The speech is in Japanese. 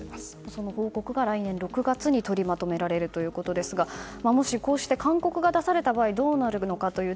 その報告が来年６月に取りまとめれますがもしこうして勧告が出された場合どうなるのか。